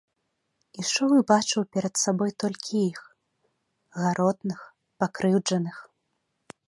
Ішоў і бачыў перад сабой толькі іх, гаротных, пакрыўджаных.